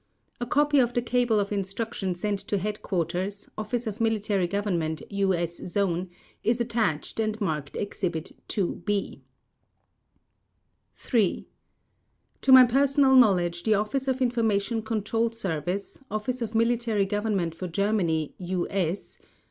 A copy of the cable of instruction sent to Headquarters, Office of Military Government, U.S. Zone, is attached and marked Exhibit "II B". 3. To my personal knowledge the Office of Information Control Service, Office of Military Government for Germany (U.S.), (Lt.